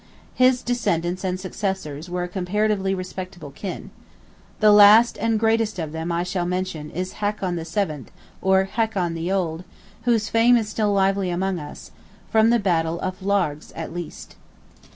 His descendants and successors were a comparatively respectable kin. The last and greatest of them I shall mention is Hakon VII., or Hakon the Old; whose fame is still lively among us, from the Battle of Largs at least.